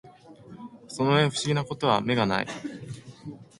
その上不思議な事は眼がない